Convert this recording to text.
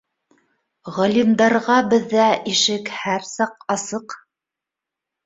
Ға- лимдарға беҙҙә ишек һәр ваҡыт асыҡ